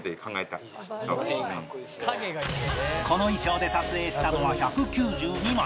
この衣装で撮影したのは１９２枚